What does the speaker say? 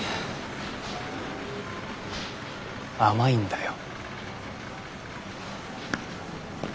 甘いんだよ。